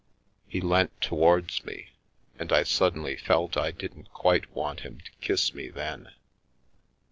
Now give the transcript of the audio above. " He leant towards me, and I suddenly felt I didn't quite want him to kiss me then.